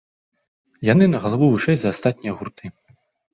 Яны на галаву вышэй за астатнія гурты.